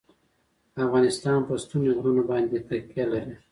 افغانستان په ستوني غرونه باندې تکیه لري.